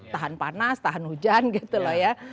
tahan panas tahan hujan gitu loh ya